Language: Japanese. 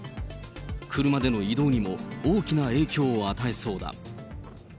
車での移動にも大きな影響を与えそうだ。